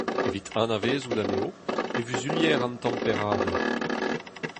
Evit anavezout anezho e vuzulier an temperadur.